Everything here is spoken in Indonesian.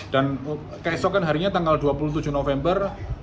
dan keesokan harinya tanggal dua puluh tujuh november